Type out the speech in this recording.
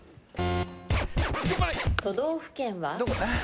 都道府県は？